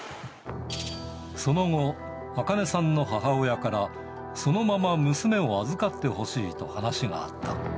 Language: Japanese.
その後、アカネさんの母親から、そのまま娘を預かってほしいと話があった。